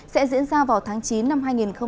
sẽ diễn ra vào tháng chín năm hai nghìn hai mươi